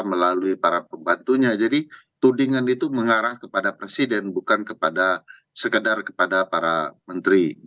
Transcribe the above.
melalui para pembantunya jadi tudingan itu mengarah kepada presiden bukan kepada sekedar kepada para menteri